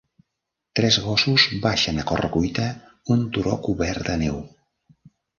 Tres gossos baixen a corre-cuita un turó cobert de neu.